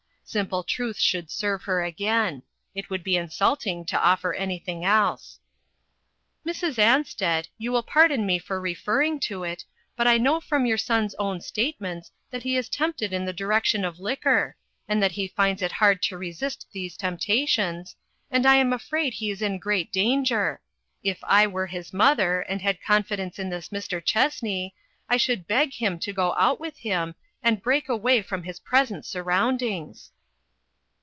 Simple truth should serve her again ; it would be insulting to offer anything else. "Mrs. Ansted, you will pardon me for re ferring to it, but I know from your son's own statements that he is tempted in the direction of liquor, and that he finds it hard to resist these temptations, and I am afraid he is in great danger. If I were his mother, and had confidence in this Mr. Chessney, I should beg him to go out with him, and break away from his present sur roundings."